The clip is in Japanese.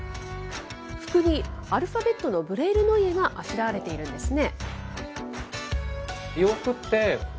服にアルファベットのブレイル・ノイエがあしらわれているんですね。